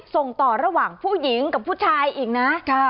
ส่งต่อระหว่างผู้หญิงกับผู้ชายอีกนะ